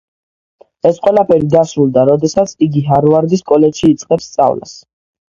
ეს ყველაფერი დასრულდა როდესაც იგი ჰარვარდის კოლეჯში იწყებს სწავლას.